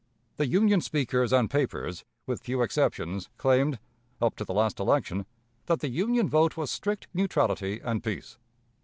The Union speakers and papers, with few exceptions, claimed, up to the last election, that the Union vote was strict neutrality and peace.